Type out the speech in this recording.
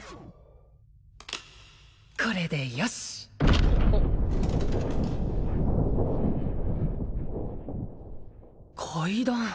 これでよし階段